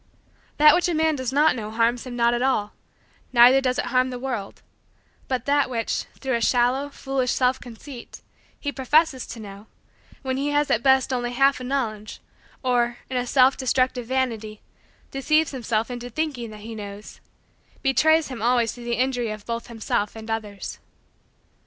That which a man does not know harms him not at all, neither does it harm the world; but that which, through a shallow, foolish, self conceit, he professes to know, when he has at best only a half knowledge, or, in a self destructive vanity, deceives himself into thinking that he knows, betrays him always to the injury of both himself and others.